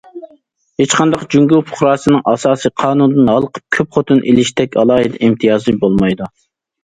ھېچقانداق جۇڭگو پۇقراسىنىڭ ئاساسىي قانۇندىن ھالقىپ كۆپ خوتۇن ئېلىشتەك ئالاھىدە ئىمتىيازى بولمايدۇ.